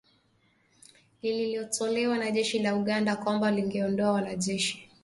lililotolewa na jeshi la Uganda kwamba lingeondoa wanajeshi